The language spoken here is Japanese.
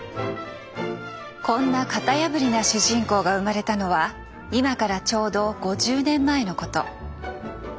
こんな型破りな主人公が生まれたのは今からちょうど５０年前のこと。